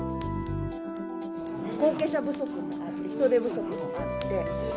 後継者不足もあって人手不足もあって。